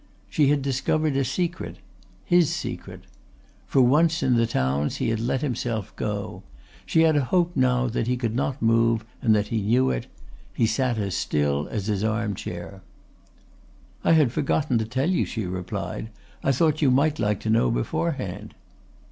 She had discovered a secret his secret. For once in the towns he had let himself go. She had a hope now that he could not move and that he knew it; he sat as still as his arm chair. "I had forgotten to tell you," she replied. "I thought you might like to know beforehand."